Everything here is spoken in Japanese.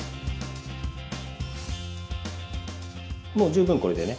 もう十分これでね